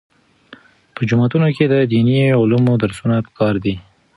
په جوماتونو کې د دیني علومو درسونه پکار دي.